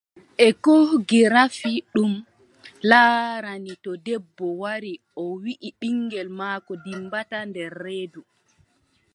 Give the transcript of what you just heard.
Ekogirafi, ɗum laarani to debbo wari o wii ɓiŋngel maako dimmbataako nder reedu,